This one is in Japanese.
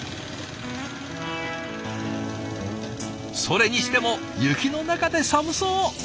それにしても雪の中で寒そう！